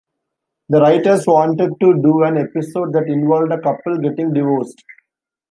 The writers wanted to do an episode that involved a couple getting divorced.